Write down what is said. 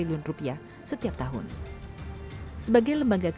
yang terutama untuk melakukannya